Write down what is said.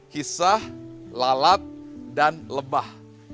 kisah lalat dan lebah